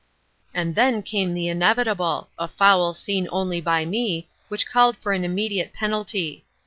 "And then came the inevitable, a foul seen only by me, which called for an immediate penalty.